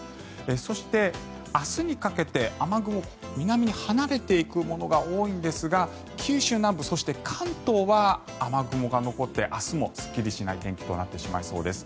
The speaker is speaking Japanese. そして、明日にかけて雨雲、南に離れていくものが多いんですが九州南部、そして関東は雨雲が残って明日もすっきりしない天気となってしまいそうです。